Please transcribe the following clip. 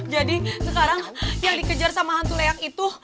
jadi sekarang yang dikejar sama hantu leak itu